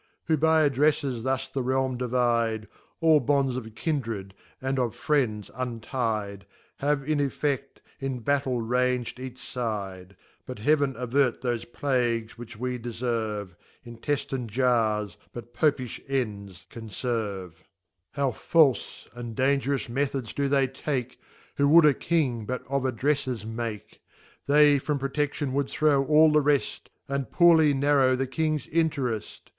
Who by AddrefTes thus the Realm divide, (All bonds of Kindred, and of Friends untide) Have in effe&, in Battle rang'd each fide. But Heaven avert jhofe Plagues which wedeferve: Intejline^ Janes, bnt Topijb ends can ferve. How falfe, and dangerous Methods do they take, Who would a King but of AddreiTers make t They from Protection would throw all the reft> And poorly narrow the Kings Intereft.